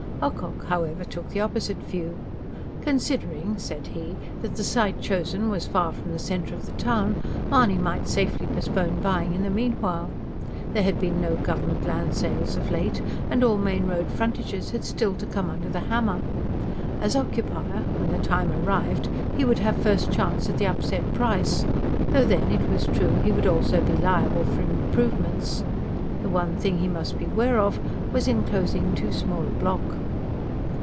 Ocock, however, took the opposite view. Considering, said he, that the site chosen was far from the centre of the town, Mahony might safely postpone buying in the meanwhile. There had been no government land sales of late, and all main road frontages had still to come under the hammer. As occupier, when the time arrived, he would have first chance at the upset price; though then, it was true, he would also be liable for improvements. The one thing he must beware of was of enclosing too small a block.